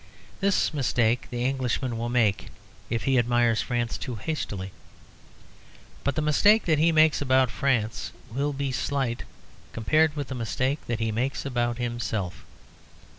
This mistake the Englishman will make if he admires France too hastily; but the mistake that he makes about France will be slight compared with the mistake that he makes about himself.